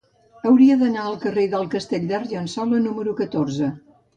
Hauria d'anar al carrer del Castell d'Argençola número catorze.